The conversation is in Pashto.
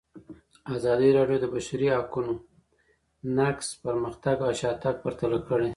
ازادي راډیو د د بشري حقونو نقض پرمختګ او شاتګ پرتله کړی.